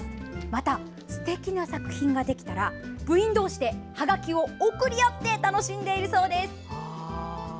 また、すてきな作品ができたら部員同士ではがきを送り合って楽しんでいるそうです。